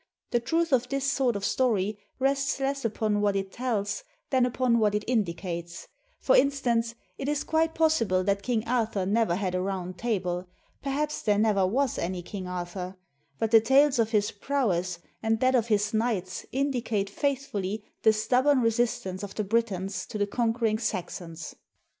The truth of this sort of story rests less upon what it tells than upon what it indicates; for instance, it is quite possible that King Arthur never had a round table, perhaps there never was any King Arthur; but the tales of his prowess and that of his knights indicate faithfully the stubborn resistance of the Britons to the conquering Saxons.